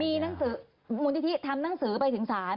มีหนังสือมูลนิธิทำหนังสือไปถึงศาล